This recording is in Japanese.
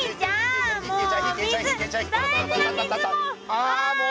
ああもう！